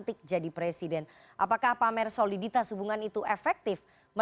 dua minggu berturut turut ini